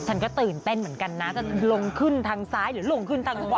ฉันก็ตื่นเต้นเหมือนกันนะจะลงขึ้นทางซ้ายหรือลงขึ้นทางขวา